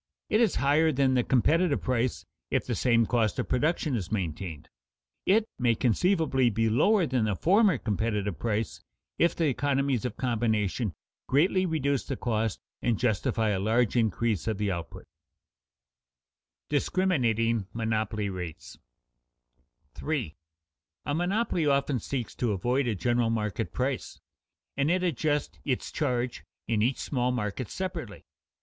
It is higher than the competitive price if the same cost of production is maintained. It may conceivably be lower than the former competitive price if the economies of combination greatly reduce the cost and justify a large increase of the output. [Sidenote: Discriminating monopoly rates] 3. _A monopoly often seeks to avoid a general market price, and it adjusts its charge in each small market separately.